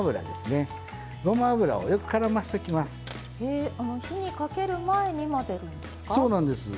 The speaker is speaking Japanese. え火にかける前に混ぜるんですか？